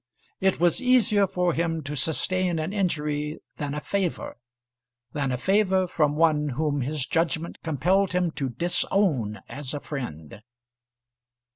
It was easier for him to sustain an injury than a favour, than a favour from one whom his judgment compelled him to disown as a friend.